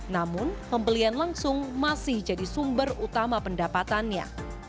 namun pembelian langsung masih jadi sumber utama pendapatannya